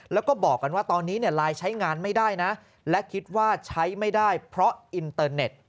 แล้วก็บอกกันว่าตอนนี้ไลน์ใช้งานไม่ได้นะและคิดว่าใช้ไม่ได้เพราะอินเตอร์เน็ต